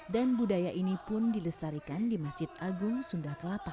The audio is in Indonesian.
dan budaya ini pun dilestarikan di masjid agung sunda kelapa